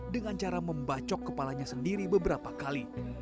dengan cara membacok kepalanya sendiri beberapa kali